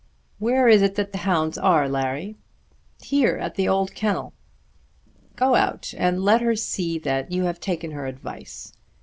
"Where is it that the hounds are to morrow, Larry?" "Here; at the old kennel." "Go out and let her see that you have taken her advice.